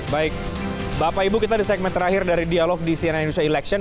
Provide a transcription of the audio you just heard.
baik bapak ibu kita di segmen terakhir dari dialog di cnn indonesia election